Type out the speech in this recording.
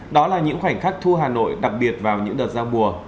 đó là những khoảnh khắc thu hà nội đặc biệt vào những đợt giao bùa